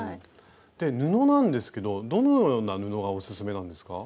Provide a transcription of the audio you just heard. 布なんですけどどのような布がオススメなんですか？